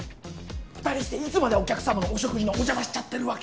２人していつまでお客様のお食事のお邪魔しちゃってるわけ。